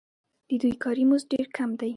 د دوی کاري مزد ډېر کم دی